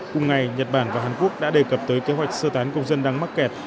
cùng ngày nhật bản và hàn quốc đã đề cập tới kế hoạch sơ tán công dân đang mắc kẹt